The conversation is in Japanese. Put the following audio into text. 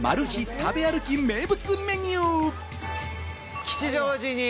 食べ歩き名物メニュー。